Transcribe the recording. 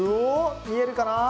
見えるかな？